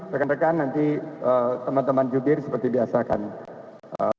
sekarang sekan nanti teman teman judir seperti biasa akan berbicara